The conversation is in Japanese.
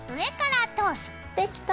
できた！